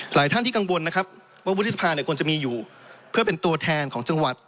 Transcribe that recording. หลายท่านที่กังวลนะครับว่าวุฒิสภาเนี่ยควรจะมีอยู่เพื่อเป็นตัวแทนของจังหวัด